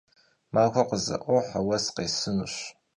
Maxuer khıze'ohe, vues khêsınuş.